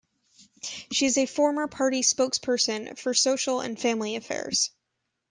She is a former party spokesperson for Social and Family Affairs.